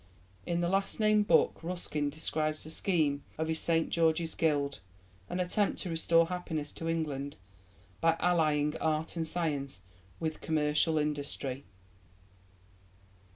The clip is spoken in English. (In the last named book Ruskin describes the scheme of his St George's Guild, an attempt to restore happiness to England by allying art and science with commercial industry.)